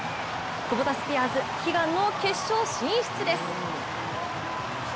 クボタスピアーズ、悲願の決勝進出です。